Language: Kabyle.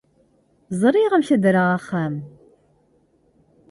Ẓriɣ amek ara d-rreɣ axxam!